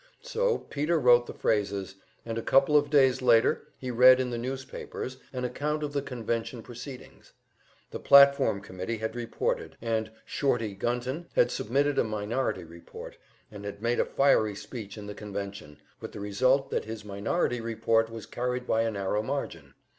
So Peter wrote the phrases, and a couple of days later he read in the newspapers an account of the convention proceedings. The platform committee had reported, and "Shorty" Gunton had submitted a minority report, and had made a fiery speech in the convention, with the result that his minority report was carried by a narrow margin.